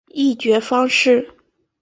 议决方式